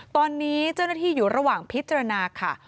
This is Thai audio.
ตอนนี้เจ้าหน้าที่อยู่ระหว่างพิจารณาค่ะ